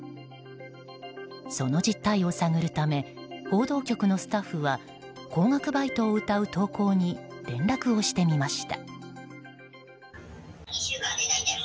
その実態を探るため報道局のスタッフは高額バイトをうたう投稿に連絡をしてみました。